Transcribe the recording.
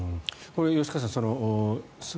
吉川さん